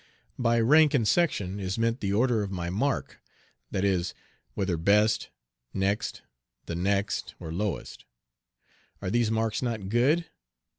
By rank in section is meant the order of my mark that is, whether best, next, the next, or lowest. Are these marks not good?